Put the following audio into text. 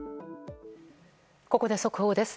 ここで速報です。